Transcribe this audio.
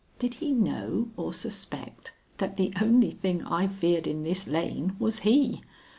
Did he know or suspect that the only thing I feared in this lane was he?